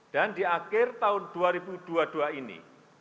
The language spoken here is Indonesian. dan di akhir tahun dua ribu dua puluh dua ini